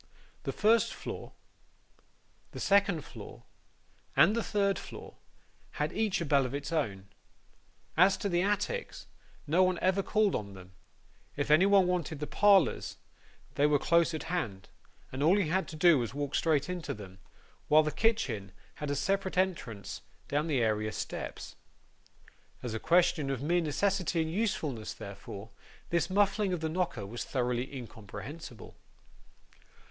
The first floor, the second floor, and the third floor, had each a bell of its own. As to the attics, no one ever called on them; if anybody wanted the parlours, they were close at hand, and all he had to do was to walk straight into them; while the kitchen had a separate entrance down the area steps. As a question of mere necessity and usefulness, therefore, this muffling of the knocker was thoroughly incomprehensible.